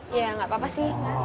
iya gak apa apa sih